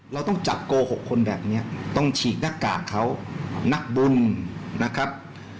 เราต้องจับโกหกคนแบบนี้ต้องฉีกหน้ากากเขานักบุญนะครับ